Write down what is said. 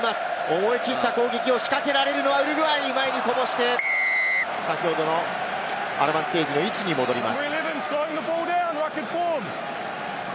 思い切った攻撃を仕掛けられるのはウルグアイ、前にこぼして先ほどのアドバンテージの位置に戻ります。